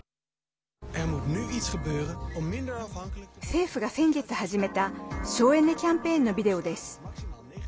政府が先月始めた省エネキャンペーンのビデオです。